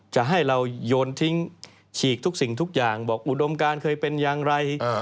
จะให้เราโยนทิ้งฉีกทุกสิ่งทุกอย่างบอกอุดมการเคยเป็นอย่างไร